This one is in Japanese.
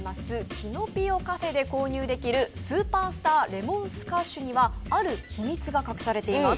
キノピオ・カフェで購入できるスーパースター・レモンスカッシュには、ある秘密が隠されています。